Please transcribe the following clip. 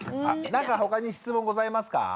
なんか他に質問ございますか？